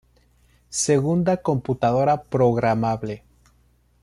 Segunda computadora programable.